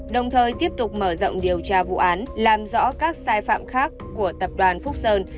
đồng thời tiếp tục mở rộng điều tra vụ án làm rõ các sai phạm khác của tập đoàn phúc sơn